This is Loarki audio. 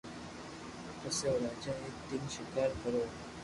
پسي او راجا ايڪ دن ݾڪار ڪروا